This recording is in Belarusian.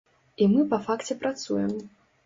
І мы па факце працуем.